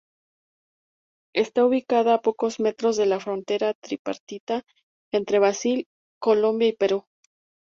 Está ubicada a pocos metros de la frontera tripartita entre Brasil, Colombia y Perú.